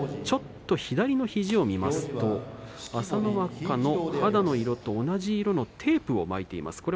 ちょっと左の肘を見ますと朝乃若の肌の色と同じ色のテープを巻いています。